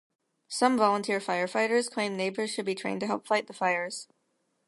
Some volunteer firefighters claimed neighbors should be trained to help fight the fires.